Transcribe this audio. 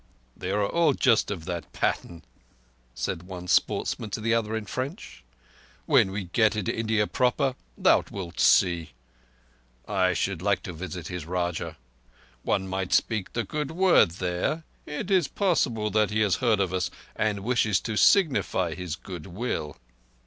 "They are all just of that pattern," said one sportsman to the other in French. "When we get into India proper thou wilt see. I should like to visit his Rajah. One might speak the good word there. It is possible that he has heard of us and wishes to signify his good will."